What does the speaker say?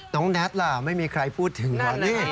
น้องแนทล่ะไม่มีใครพูดถึงวันนี้